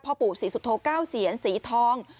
พ่อปู่ศรีสุธโธ๙เสียนศรีทอง